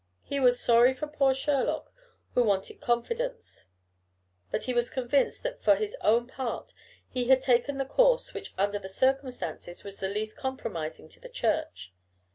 He was "sorry for poor Sherlock, who wanted confidence"; but he was convinced that for his own part he had taken the course which under the circumstances was the least compromising to the Church.